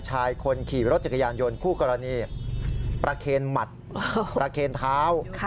ชายคนขี่รถจักรยานยนต์คู่กรณีประเครนท้าว